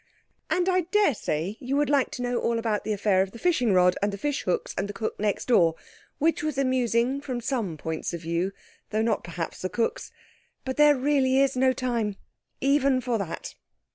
And I daresay you would like to know all about the affair of the fishing rod, and the fish hooks, and the cook next door—which was amusing from some points of view, though not perhaps the cook's—but there really is no time even for that.